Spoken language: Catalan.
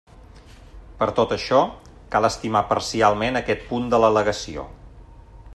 Per tot això, cal estimar parcialment aquest punt de l'al·legació.